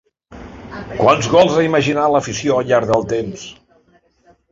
Quants gols ha imaginat l’afició al llarg del temps!